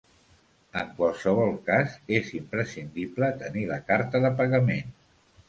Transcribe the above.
En qualsevol cas, és imprescindible tenir la carta de pagament.